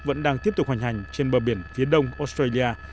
vẫn đang tiếp tục hoành hành trên bờ biển phía đông australia